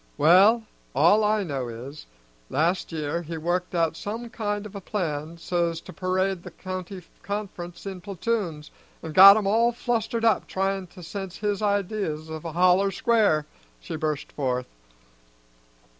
"Well, all I know is, last year he worked out some kind of plan so's to parade the county conference in platoons, and got 'em all flustered up tryin' to sense his ideas of a holler square," she burst forth.